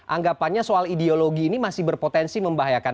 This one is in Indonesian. anggapannya soal ideologi ini masih berpotensi membahayakan